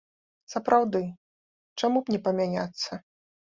Сапраўды, чаму б не памяняцца?